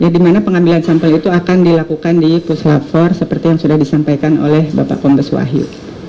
dimana pengambilan sampel itu akan dilakukan di puslapor seperti yang sudah disampaikan oleh bapak pembes wahyu